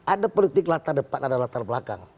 ada politik latar depan ada latar belakang